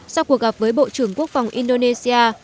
sau cuộc gặp với bộ trưởng quốc phòng indonesia